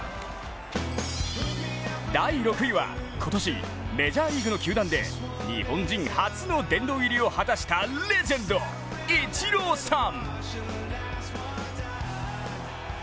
第６位は、今年メジャーリーグの球団で、日本人初の殿堂入りを果たしたレジェンド、イチローさん。